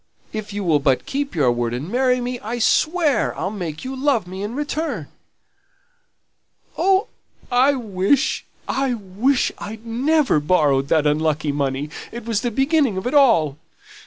If you will but keep your word, and marry me, I'll swear I'll make you love me in return." "Oh, I wish I wish I'd never borrowed that unlucky money, it was the beginning of it all.